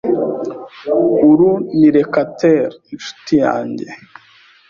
Uru ni rekater inshuti yanjye.